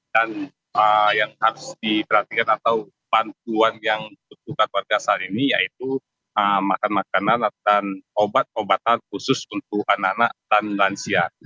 dan yang harus diperhatikan atau bantuan yang butuhkan warga saat ini yaitu makan makanan dan obat obatan khusus untuk anak anak dan lansia